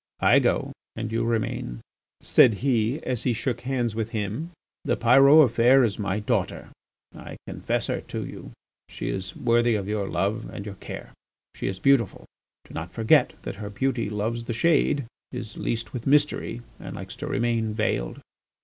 "I go and you remain," said he, as he shook hands with him. "The Pyrot affair is my daughter; I confide her to you, she is worthy of your love and your care; she is beautiful. Do not forget that her beauty loves the shade, is leased with mystery, and likes to remain veiled.